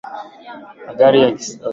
Magari ya kisasa.